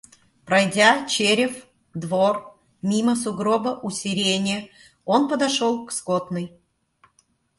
Пройдя черев двор мимо сугроба у сирени, он подошел к скотной.